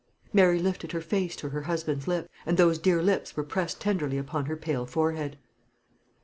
Mary lifted her face to her husband's lips, and those dear lips were pressed tenderly upon her pale forehead.